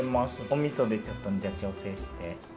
おみそでちょっと調整して。